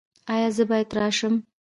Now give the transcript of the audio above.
ایا زه باید راشم؟